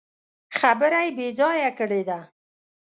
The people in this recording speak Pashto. خبره يې بې ځايه کړې ده.